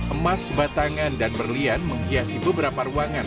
emas batangan dan berlian menghiasi beberapa ruangan